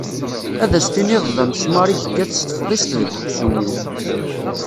Ad as-tinid d amesmar i yekkat s tefḍist deg uksum-iw.